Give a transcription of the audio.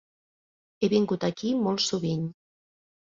He vingut aquí molt sovint.